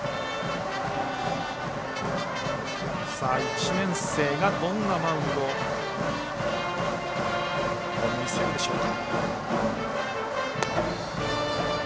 １年生がどんなマウンドを見せるでしょうか。